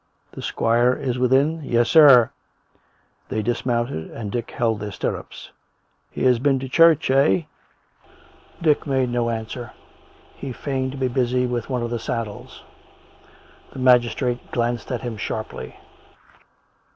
" The squire is within.'' "" Yes, sir." They dismounted, and Dick held their stirrups. "He has been to church — eh?" Dick made no answer. He feigned to be busy with one of the saddles. The magistrate glanced at him sharply.